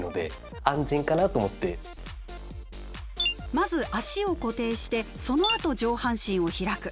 まず足を固定してそのあと上半身を開く。